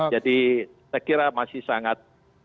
jadi saya kira masih sangat